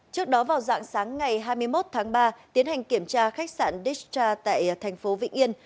trước đó vào dạng sáng ngày hai mươi một tháng ba tiến hành kiểm tra khách sạn dichta tại tp vĩnh yên